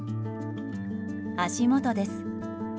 足元です。